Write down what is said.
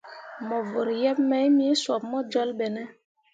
Mo vǝrri yeb mai me sob bo jolbo be ne ?